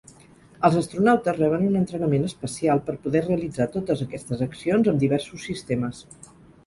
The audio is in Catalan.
Els astronautes reben un entrenament especial per poder realitzar totes aquestes accions amb diversos sistemes.